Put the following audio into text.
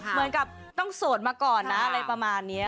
เหมือนกับต้องโสดมาก่อนนะอะไรประมาณนี้